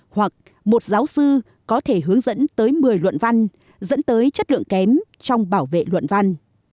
hoặc một giáo sư có thể hướng dẫn tới một mươi luận văn dẫn tới chất lượng kém trong bảo vệ luận văn